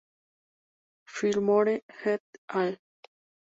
Fillmore et al.